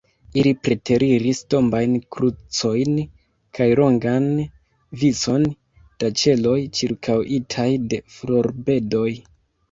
Ili preteriris tombajn krucojn kaj longan vicon da ĉeloj, ĉirkaŭitaj de florbedoj.